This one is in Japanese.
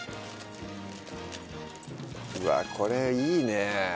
うわっこれいいね。